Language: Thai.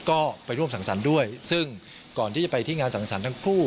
ก็ไปร่วมสังสรรค์ด้วยซึ่งก่อนที่จะไปที่งานสังสรรค์ทั้งคู่